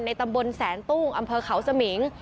ตำบลแสนตุ้งอำเภอเขาสมิง